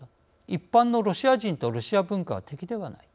一般のロシア人とロシア文化は敵ではない。